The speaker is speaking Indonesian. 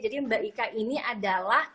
jadi mbak ika ini adalah